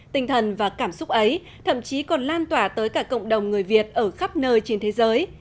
tinh thần và cảm xúc ấy thậm chí còn lan tỏa tới cả cộng đồng người việt ở khắp nơi trên thế giới